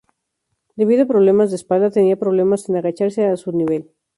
Debido a problemas de espalda tenía problemas en agacharse a su nivel.